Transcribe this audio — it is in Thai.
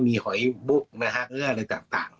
มีหอยบุ๊กนะฮะเนื้ออะไรต่าง